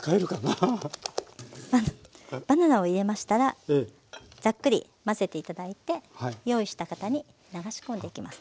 あのバナナを入れましたらザックリ混ぜて頂いて用意した型に流し込んでいきます。